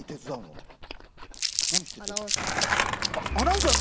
アナウンスとか。